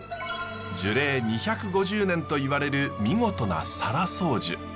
樹齢２５０年といわれる見事な沙羅双樹。